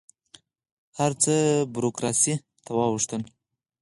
هر څه بروکراسي ته واوښتل.